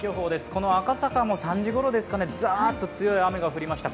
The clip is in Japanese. この赤坂も３時ごろですかザッと強い雨が降りました。